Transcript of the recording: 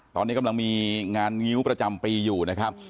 ตอนนี้กำลังมีงานงิ้วประจำปีอยู่นะครับ